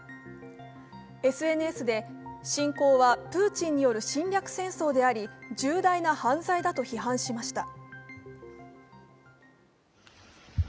ＳＮＳで、侵攻はプーチンによる侵略戦争であり、重大な犯罪だと批判しました。